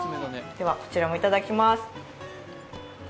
こちらも、いただきます。